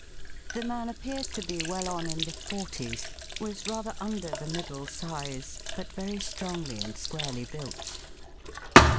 The man appeared to be well on in the forties ; was rather under the middle size, but very strongly and squarely built.